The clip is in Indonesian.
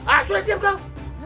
ah sudah siap kau